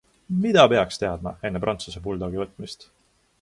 Mida peaks teadma enne prantsuse buldogi võtmist?